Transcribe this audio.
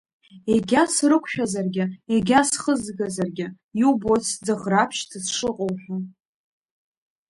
Егьа срықәшәазаргьы, егьа схызгазаргьы, иубоит сӡыӷраԥшьӡа сшыҟоу ҳәа.